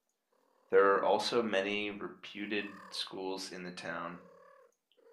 There are also many reputed schools in the town.